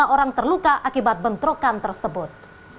lima puluh lima orang terluka akibat bentrokan tersebut